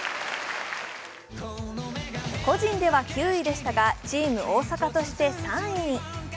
個人では９位でしたがチーム大阪として３位。